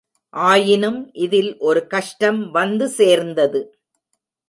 ஆயினும் இதில் ஒரு கஷ்டம் வந்து சேர்ந்தது.